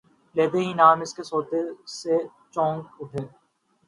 لیتے ہی نام اس کا سوتے سے چونک اٹھے